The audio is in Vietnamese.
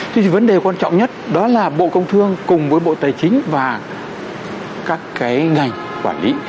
thế thì vấn đề quan trọng nhất đó là bộ công thương cùng với bộ tài chính và các cái ngành quản lý